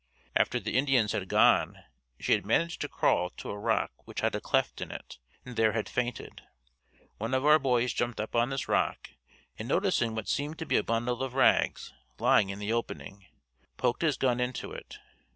After the Indians had gone she had managed to crawl to a rock which had a cleft in it, and there had fainted. One of our boys jumped up on this rock and noticing what seemed to be a bundle of rags lying in the opening, poked his gun into it.